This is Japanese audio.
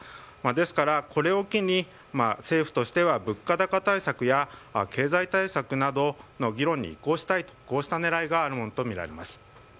ですから、これを機に政府としては物価高対策や経済対策などの議論に移行したいという狙いがあるものとみられます。